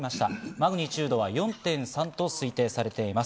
マグニチュードは４．３と推定されています。